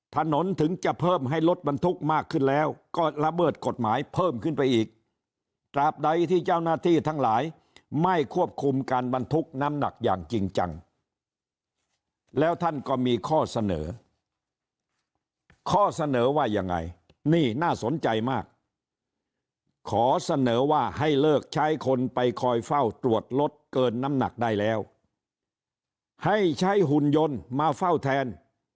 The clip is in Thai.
ถนนถึงจะเพิ่มให้รถบรรทุกมากขึ้นแล้วก็ระเบิดกฎหมายเพิ่มขึ้นไปอีกตราบใดที่เจ้าหน้าที่ทั้งหลายไม่ควบคุมการบรรทุกน้ำหนักอย่างจริงจังแล้วท่านก็มีข้อเสนอข้อเสนอว่ายังไงนี่น่าสนใจมากขอเสนอว่าให้เลิกใช้คนไปคอยเฝ้าตรวจรถเกินน้ำหนักได้แล้วให้ใช้หุ่นยนต์มาเฝ้าแทน